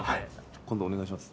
今度、お願いします。